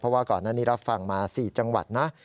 เพราะว่าก่อนหน้านี้รับฟังมา๔จังหวัดนะ